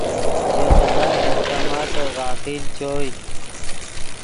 ژے خدائے احکاماتف غافل چوئے